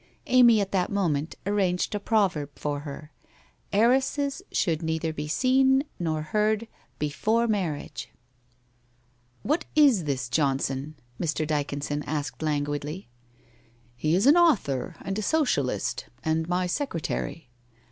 Amy at that moment arranged a proverb for her. ' Heiresses should neither be seen nor heard, before marriage !'"' AVhat is this Johnson ?' Mr. Dyconson asked languidly. ' He is an author, and a Socialist, and my secretary.'